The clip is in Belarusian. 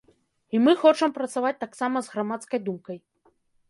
І мы хочам працаваць таксама з грамадскай думкай.